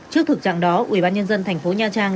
trước thực trạng đó ubnd tp nha trang